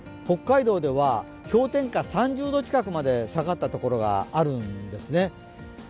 北海道では氷点下３０度近くまで下がった所があるんですね。